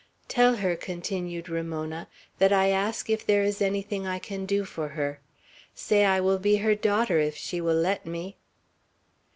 "Tell her," continued Ramona, "that I ask if there is anything I can do for her. Say I will be her daughter if she will let me."